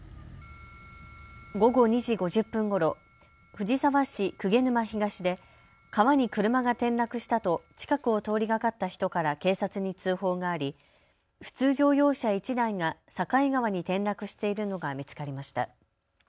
午後２時５０分ごろ、藤沢市鵠沼東で川に車が転落したと近くを通りがかった人から警察に通報があり普通乗用車１台が境川に転落しているのが見つかりました。